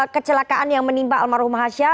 kecelakaan yang menimpa almarhum hasha